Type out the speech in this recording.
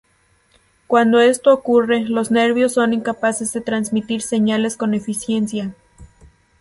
Cuando esto ocurre, los nervios son incapaces de transmitir señales con eficiencia.